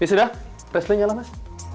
ya sudah tesnya nyala mas